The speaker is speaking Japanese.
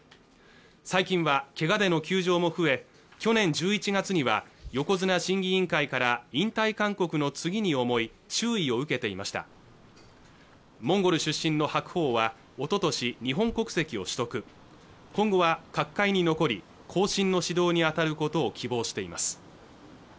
最近はけがでの休場も増え去年１１月には横綱審議委員会から引退勧告の次に重い注意を受けていましたモンゴル出身の白鵬はおととし日本国籍を取得今後は角界に残り後進の指導に当たることを希望しています